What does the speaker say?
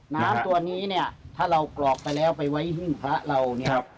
น้ำตัวนี้เนี่ยถ้าเรากรอกไปแล้วไปไว้หิ้งพระเราเนี่ย